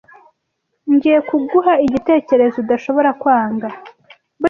Ngiye kuguha igitekerezo udashobora kwanga.